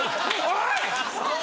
おい！